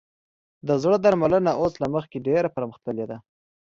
د زړه درملنه اوس له مخکې ډېره پرمختللې ده.